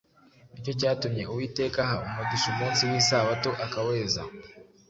nicyo cyatumye Uwiteka aha umugisha umunsi w’Isabato akaweza